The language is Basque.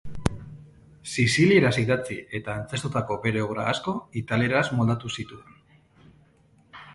Sizilieraz idatzi eta antzeztutako bere obra asko italieraz moldatu zituen.